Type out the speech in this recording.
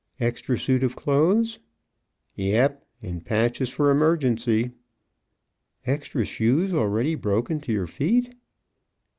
"Extra suit of clothes?" "Yep and patches for emergency." "Extra shoes already broken to your feet?"